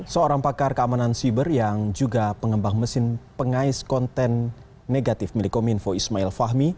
seorang pakar keamanan siber yang juga pengembang mesin pengais konten negatif milik kominfo ismail fahmi